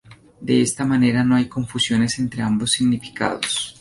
De esta manera no hay confusiones entre ambos significados.